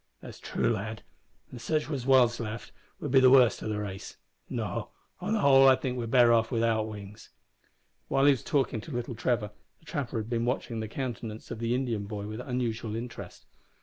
"That's true, lad, an' sitch as was left would be the worst o' the race. No, on the whole I think we're better without wings." While he was talking to little Trevor, the trapper had been watching the countenance of the Indian boy with unusual interest.